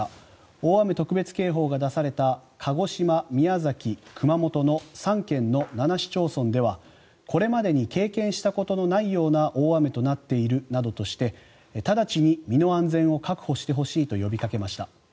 大雨特別警報が出された鹿児島、宮崎、熊本の３県の７市町村ではこれまでに経験したことのないような大雨となっているなどとして直ちに身の安全を確保してほしいと呼びかけました。